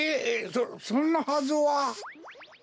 そそんなはずは。